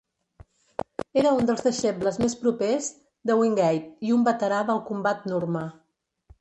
Era uns dels deixebles més propers de Wingate i un veterà del combat Nurma.